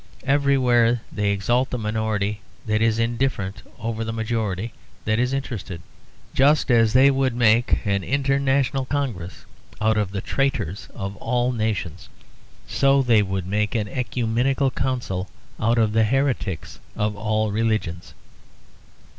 Everywhere they exalt the minority that is indifferent over the majority that is interested. Just as they would make an international congress out of the traitors of all nations, so they would make an ecumenical council out of the heretics of all religions.